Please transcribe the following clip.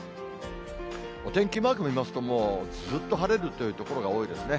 お天気マーク見ますと、もうずーっと晴れるという所が多いですね。